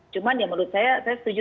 cuman ya menurut saya saya setuju